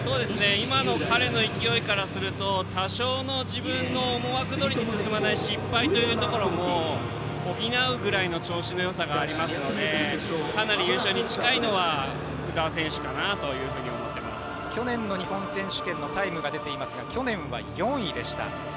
今の彼の勢いからすると多少の自分の思惑どおりに進まない、失敗というところも補うくらいの調子のよさがありますのでかなり優勝に近いのは去年の日本選手権のタイム出ていますが去年は４位でした。